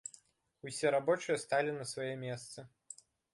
Усе рабочыя сталі на свае месцы.